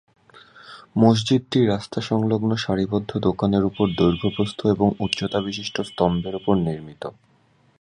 মসজিদটি রাস্তা সংলগ্ন সারিবদ্ধ-দোকানের উপর দৈর্ঘ্য প্রস্থ এবং উচ্চতাবিশিষ্ট স্তম্ভের উপর নির্মিত।